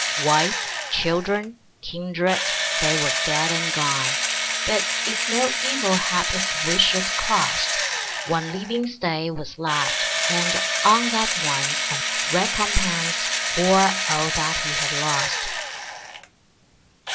Wife, children, kindred, they were dead and gone; But, if no evil hap his wishes crossed, One living Stay was left, and on that one Some recompence for all that he had lost.